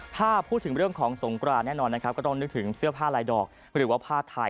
ถ้าพูดถึงเรื่องของสงกรานแน่นอนนะครับก็ต้องนึกถึงเสื้อผ้าลายดอกหรือว่าผ้าไทย